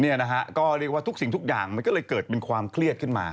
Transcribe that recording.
เนี่ยนะฮะก็เรียกว่าทุกสิ่งทุกอย่างมันก็เลยเกิดเป็นความเครียดขึ้นมา